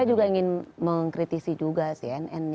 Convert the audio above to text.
saya juga ingin mengkritisi juga sih nn ini